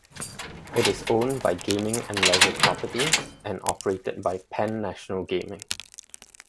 It is owned by Gaming and Leisure Properties and operated by Penn National Gaming.